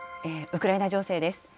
ウクライナ情勢です。